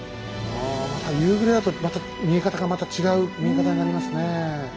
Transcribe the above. また夕暮れだとまた見え方がまた違う見え方になりますね。